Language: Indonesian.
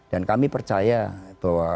dan kami percaya bahwa